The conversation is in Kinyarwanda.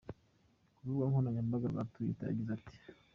Ku rubuga nkoranyambaga rwa Twitter, yagize ati:.